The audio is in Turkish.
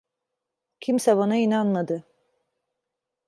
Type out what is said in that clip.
Kimse bana inanmadı.